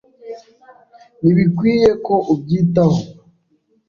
Ntibikwiye ko ubyitaho.